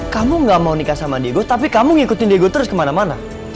kamu gak mau nikah sama diego tapi kamu ngikutin diego terus kemana mana